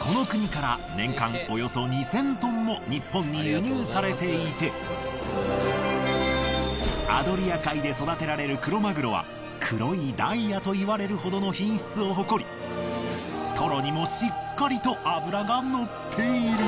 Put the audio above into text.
この国から年間およそ２，０００トンも日本に輸入されていてアドリア海で育てられるクロマグロは黒いダイヤといわれるほどの品質を誇りトロにもしっかりと脂がのっている。